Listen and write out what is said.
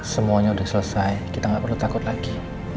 semuanya udah selesai kita gak perlu takut lagi